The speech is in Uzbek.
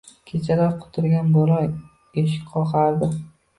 Kechalari qutirgan bo`ron eshik qoqardi